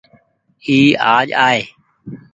اي آج آئي۔